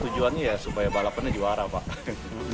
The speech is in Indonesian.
tujuannya ya supaya balapannya juara pak